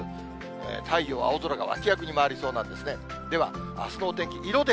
太陽、青空が脇役に回りそうなんですね。